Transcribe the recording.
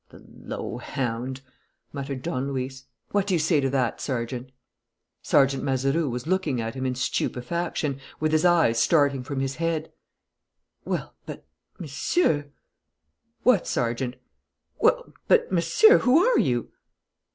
"The low hound!" muttered Don Luis. "What do you say to that, Sergeant?" Sergeant Mazeroux was looking at him in stupefaction, with his eyes starting from his head. "Well, but, Monsieur " "What, Sergeant?" "Well, but, Monsieur, who are you?"